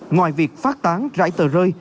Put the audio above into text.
ngoài việc phát tán rãi tờ rơi